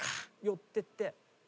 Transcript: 寄ってって。